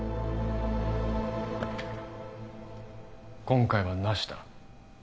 今回はなしだ